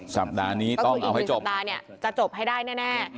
สัปดาห์นี้ต้องเอาให้จบเพราะว่าอีกสิบสัปดาห์นี้จะจบให้ได้แน่